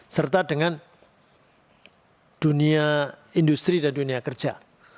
serta dengan dunia industri dan dunia kerja